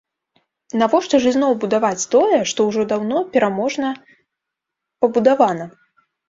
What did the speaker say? Навошта ж ізноў будаваць тое, што ўжо даўно пераможна пабудавана?